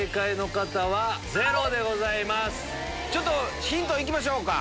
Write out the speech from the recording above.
ちょっとヒント行きましょうか。